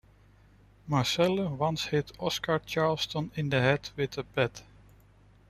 Marcelle once hit Oscar Charleston in the head with a bat.